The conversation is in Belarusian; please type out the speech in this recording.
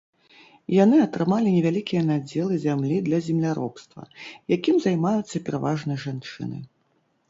Яны атрымалі невялікія надзелы зямлі для земляробства, якім займаюцца пераважна жанчыны.